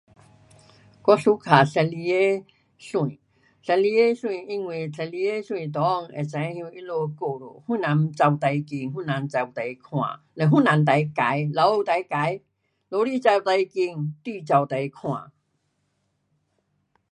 我 suka 十二个肖，十二个肖，因为十二个肖内，会知晓他们 um 谁人跑最快谁人跑最晚，嘞谁人最坏，老虎最坏，老鼠跑最快，猪跑最晚。